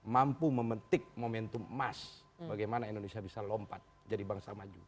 mampu memetik momentum emas bagaimana indonesia bisa lompat jadi bangsa maju